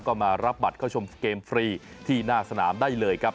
ก็มารับบัตรเข้าชมเกมฟรีที่หน้าสนามได้เลยครับ